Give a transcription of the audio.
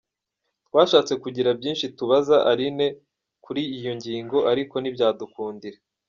Twashatse kugira byinshi tubaza Aline kuri iyi ngingo, ariko ntibyadukundira.